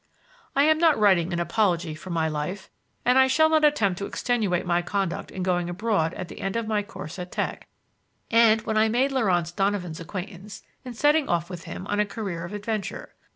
I am not writing an apology for my life, and I shall not attempt to extenuate my conduct in going abroad at the end of my course at Tech and, when I made Laurance Donovan's acquaintance, in setting off with him on a career of adventure.